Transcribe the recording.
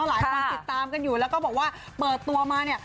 หลายคนติดตามกันอยู่แล้วก็บอกว่าเปิดตัวมาเนี่ย